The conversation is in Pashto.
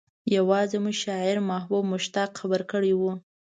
يوازې مو شاعر محبوب مشتاق خبر کړی و.